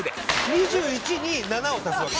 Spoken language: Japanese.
２１に７を足すわけ。